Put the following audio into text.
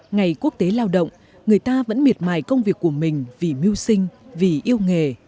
ngày quốc tế lao động người ta vẫn miệt mài công việc của mình vì mưu sinh vì yêu nghề